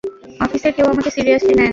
অফিসের কেউ আমাকে সিরিয়াসলি নেয় না।